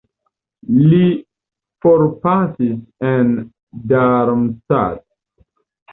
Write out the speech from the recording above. Li forpasis en Darmstadt.